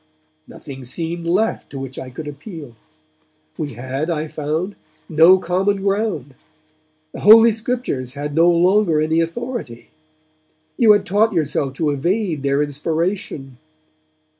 'Nothing seemed left to which I could appeal. We had, I found, no common ground. The Holy Scriptures had no longer any authority: you had taught yourself to evade their inspiration.